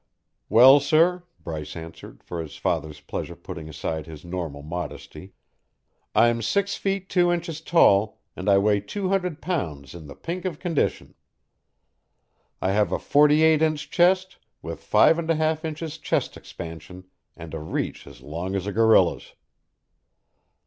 "Well, sir," Bryce answered, for his father's pleasure putting aside his normal modesty, "I'm six feet two inches tall, and I weigh two hundred pounds in the pink of condition. I have a forty eight inch chest, with five and a half inches chest expansion, and a reach as long as a gorilla's.